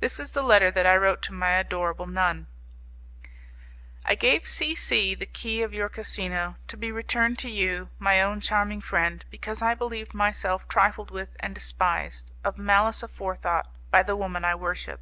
This is the letter that I wrote to my adorable nun: "I gave C C the key of your casino, to be returned to you, my own charming friend, because I believed myself trifled with and despised, of malice aforethought, by the woman I worship.